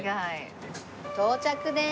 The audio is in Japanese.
到着です。